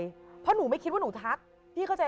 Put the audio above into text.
เพราะหนูไม่คิดว่าหนูทัก